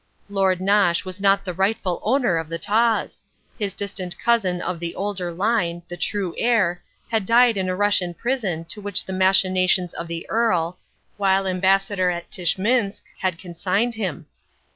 Lord Nosh was not the rightful owner of the Taws. His distant cousin of the older line, the true heir, had died in a Russian prison to which the machinations of the Earl, while Ambassador at Tschminsk, had consigned him.